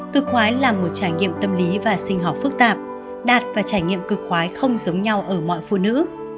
cực khói là một trải nghiệm tâm lý và sinh học phức tạp đạt và trải nghiệm cực khoái không giống nhau ở mọi phụ nữ